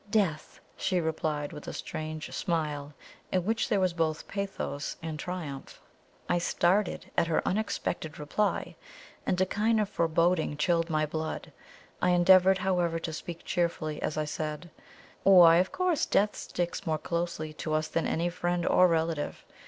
"Death!" she replied with a strange smile, in which there was both pathos and triumph. I started at her unexpected reply, and a kind of foreboding chilled my blood. I endeavoured, however, to speak cheerfully as I said: "Why, of course, death sticks more closely to us than any friend or relative.